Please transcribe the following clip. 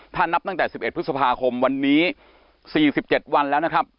ถ้านับตั้งแต่๑๑พฤษภาคมวันนี้๔๗วันแล้วนะครับ